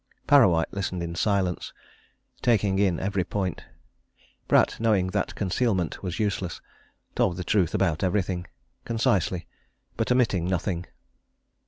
Parrawhite listened in silence, taking in every point. Pratt, knowing that concealment was useless, told the truth about everything, concisely, but omitting nothing.